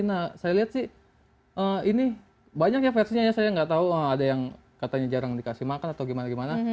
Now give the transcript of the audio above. nah saya lihat sih ini banyak ya versinya ya saya nggak tahu ada yang katanya jarang dikasih makan atau gimana gimana